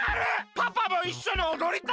パパもいっしょにおどりたい！